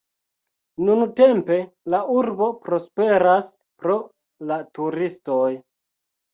Nuntempe la urbo prosperas pro la turistoj.